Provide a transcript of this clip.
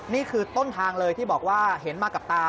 นี่คือต้นทางเลยที่บอกว่าเห็นมากับตา